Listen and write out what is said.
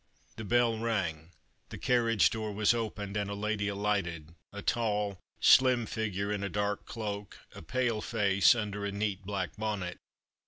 The bell rang, the carriage door was opened, and a lady alighted, a tall slim figure in a dark cloak, a pale face under a neat black bonnet.